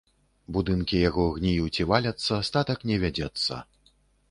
Будынкі яго гніюць і валяцца, статак не вядзецца.